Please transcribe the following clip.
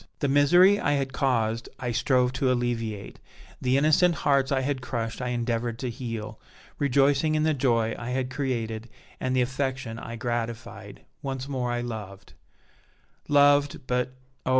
The misery I had caused I strove to alleviate, the innocent hearts I had crushed I endeavored to heal; rejoicing in the joy I had created and the affection I gratified, once more I loved loved, but, oh!